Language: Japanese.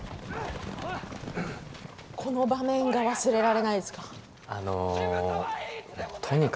この場面が忘れられないですか？